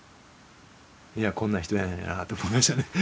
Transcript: いやこんな人やねんなぁと思いましたね。